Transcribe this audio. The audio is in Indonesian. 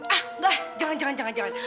ah dah jangan jangan jangan